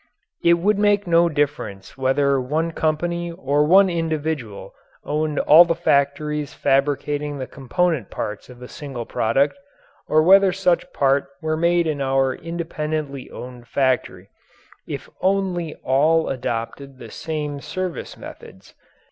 It would make no difference whether one company or one individual owned all the factories fabricating the component parts of a single product, or whether such part were made in our independently owned factory, if only all adopted the same service methods.